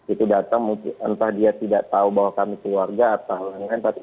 itu datang entah dia tidak tahu bahwa kami keluarga atau lain lain